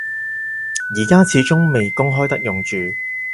而家始終未公開得用住